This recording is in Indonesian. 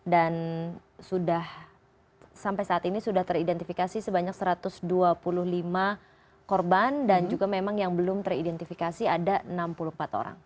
dan sudah sampai saat ini sudah teridentifikasi sebanyak satu ratus dua puluh lima korban dan juga memang yang belum teridentifikasi ada enam puluh empat orang